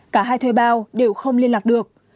cả hai thuê bao đều không liên lạc được